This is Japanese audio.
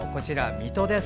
水戸です。